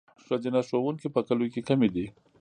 ښځینه ښوونکي په کلیو کې کمې دي.